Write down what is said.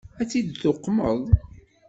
Ad tt-id-tuqmeḍ?